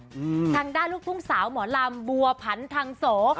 ทางด้านลูกทุ่งสาวหมอลำบัวผันทางโส